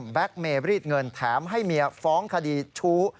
เมรีดเงินแถมให้เมียฟ้องคดีชู้